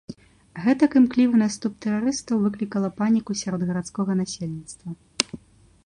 Гэтак імклівы наступ тэрарыстаў выклікала паніку сярод гарадскога насельніцтва.